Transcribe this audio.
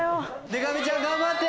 でか美ちゃん頑張って。